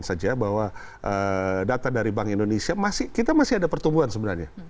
saja bahwa data dari bank indonesia kita masih ada pertumbuhan sebenarnya